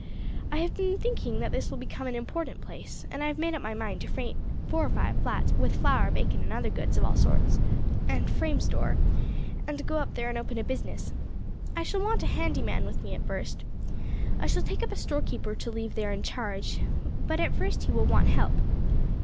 I have been thinking that this will become an important place, and have made up my mind to freight four or five flats with flour, bacon, and other goods of all sorts, and a frame store, and to go up there and open a business. I shall want a handy man with me at first; I shall take up a storekeeper to leave there in charge, but at first he will want help.